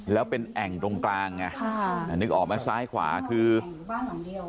แล้วเป็นแอ่งตรงกลางไงค่ะนึกออกไหมซ้ายขวาคือบ้านหลังเดียว